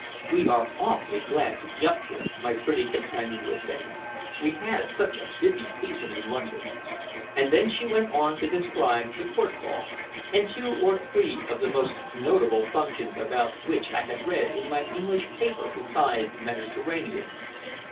"We are awfully glad to be up here," my pretty companion was saying. "We had such a busy season in London." And then she went on to describe the Court ball, and two or three of the most notable functions about which I had read in my English paper beside the Mediterranean.